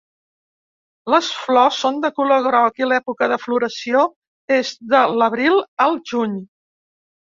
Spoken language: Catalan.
Les flors són de color groc i l'època de floració és de l'abril al juny.